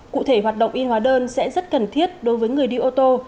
cụ thể hoạt động in hóa đơn sẽ rất cần thiết đối với người đi ô tô